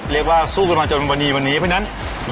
เรียกว่าสู้กันมาจนวันนี้เพราะฉะนั้น